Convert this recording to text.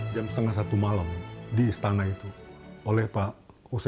jam setengah satu malam di istana itu oleh pak usai